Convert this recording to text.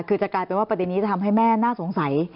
คือจะกลายเป็นว่าประเด็นนี้จะทำให้แม่น่าสงสัย